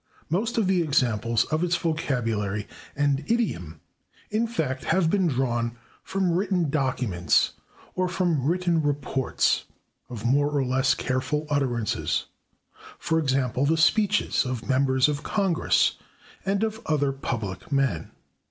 Most of the examples of its vocabulary and idiom, in fact, have been drawn from written documents or from written reports of more or less careful utterances, for example, the speeches of members of Congress and of other public men.